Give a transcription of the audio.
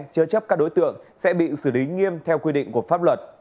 chớ chấp các đối tượng sẽ bị xử lý nghiêm theo quy định của pháp luật